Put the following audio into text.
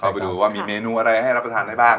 ไปดูว่ามีเมนูอะไรให้รับประทานได้บ้าง